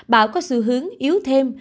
bão có xu hướng yếu thêm